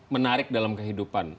menarik dalam kehidupan